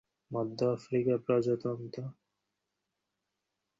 মধ্য আফ্রিকা প্রজাতন্ত্র থেকে আটকে পড়া বিদেশিদের জরুরি ভিত্তিতে সরিয়ে নেওয়া শুরু হয়েছে।